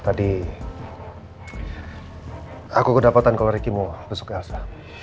tadi aku kedapatan kalau riki mau besok elsa